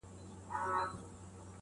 تر دې چې جنګ هم کوي